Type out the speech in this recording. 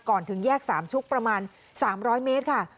ก่อนถึงแยก๓ชุกประมาณ๓๐๐เมตรค่ะ